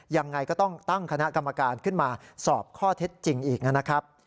ยังไงก็ต้องตั้งคณะกรรมการขึ้นมาสอบข้อเท็จจริงอีกนะครับ